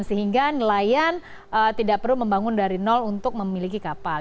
sehingga nelayan tidak perlu membangun dari nol untuk memiliki kapal